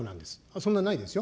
そんなないですよ。